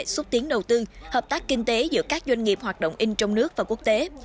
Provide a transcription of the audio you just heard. xúc tiến đầu tư hợp tác kinh tế giữa các doanh nghiệp hoạt động in trong nước và quốc tế